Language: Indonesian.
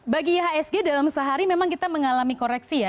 bagi ihsg dalam sehari memang kita mengalami koreksi ya